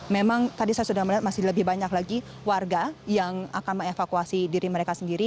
memang tadi saya sudah melihat masih lebih banyak lagi warga yang akan mengevakuasi diri mereka sendiri